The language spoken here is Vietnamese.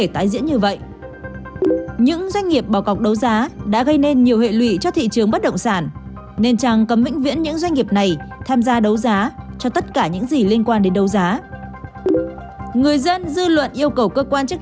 tham gia đấu giá cho tất cả những gì liên quan đến đấu giá người dân dư luận yêu cầu cơ quan chức